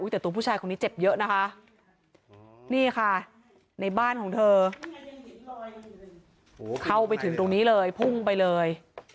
แต่ตัวผู้ชายคนนี้เจ็บเยอะนะคะนี่ค่ะในบ้านของเธอเข้าไปถึงตรงนี้เลยพุ่งไปเลย